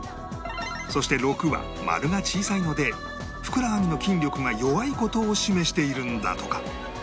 そして６は丸が小さいのでふくらはぎの筋力が弱い事を示しているんだとか